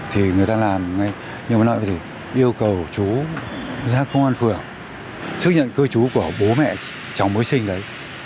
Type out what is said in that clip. thì người ta làm như vậy yêu cầu chú giác công an phưởng xác nhận cư trú của bố mẹ chồng mới sinh đấy